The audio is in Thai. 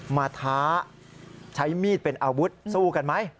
ท้าใช้มีดเป็นอาวุธสู้กันไหม